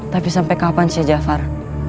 tapi sampai kapan sih jafar